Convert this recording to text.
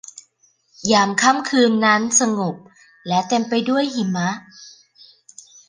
ยามค่ำคืนนั้นสงบและเต็มไปด้วยหิมะ